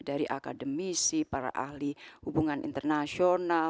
dari akademisi para ahli hubungan internasional